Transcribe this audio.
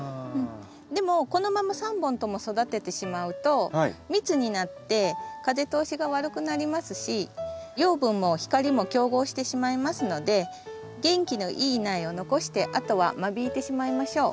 でもこのまま３本とも育ててしまうと密になって風通しが悪くなりますし養分も光も競合してしまいますので元気のいい苗を残してあとは間引いてしまいましょう。